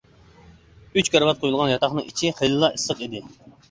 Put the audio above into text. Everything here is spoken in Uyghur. ئۈچ كارىۋات قۇيۇلغان ياتاقنىڭ ئىچى خېلىلا ئىسسىق ئىدى.